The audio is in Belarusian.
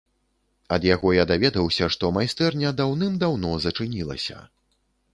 Ад яго я даведаўся, што майстэрня даўным-даўно зачынілася.